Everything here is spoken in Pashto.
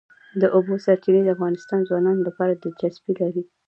د اوبو سرچینې د افغان ځوانانو لپاره دلچسپي لري.